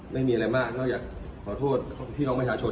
ไม่มีอะไรมากนอกจากขอโทษพี่น้องประชาชน